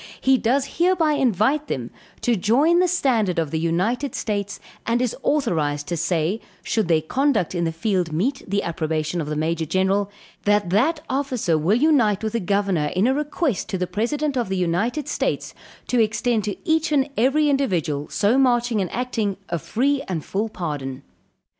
He does hereby invite them to join the standard of the United States and is authorised to say, should their conduct in the field meet the approbation of the Major General, that that officer will unite with the governor in a request to the president of the United States, to extend to each and every individual, so marching and acting, a free and full pardon.